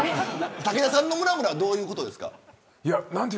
武田さんのむらむらはどういうことですか。